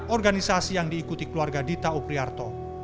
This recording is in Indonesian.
organisasi yang diikuti keluarga dita upriarto